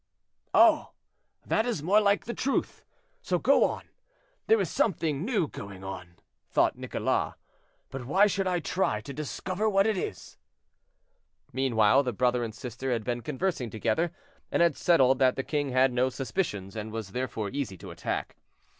"Oh! that is more like the truth, so go on. There is something new going on," thought Nicholas; "but why should I try to discover what it is?" Meanwhile the brother and sister had been conversing together, and had settled that the king had no suspicions, and was therefore easy to attack.